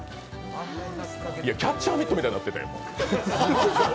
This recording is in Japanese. キャッチャーミットみたいになってたよ。